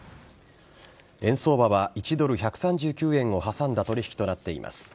円相場は１ドル１３９円を挟んだ取引となっています。